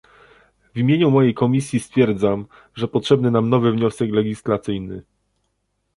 W imieniu mojej komisji stwierdzam, że potrzebny nam nowy wniosek legislacyjny